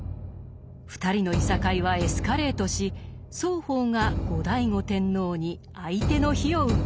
２人のいさかいはエスカレートし双方が後醍醐天皇に相手の非を訴えます。